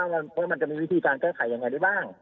ว่ามันจะมีวิธีการแก้ไขอย่างไรดีบ้าง